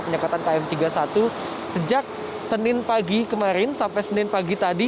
penyekatan km tiga puluh satu sejak senin pagi kemarin sampai senin pagi tadi